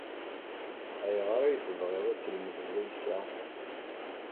Ayɣer ay tebɣiḍ ad tlemdeḍ iles-a?